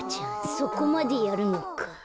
そこまでやるのか。